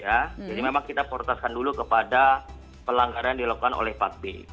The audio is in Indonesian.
jadi memang kita perlintaskan dulu kepada pelanggaran yang dilakukan oleh plat b